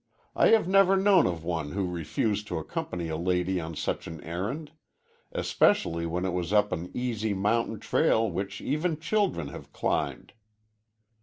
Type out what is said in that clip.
I have never known of one who refused to accompany a lady on such an errand, especially when it was up an easy mountain trail which even children have climbed."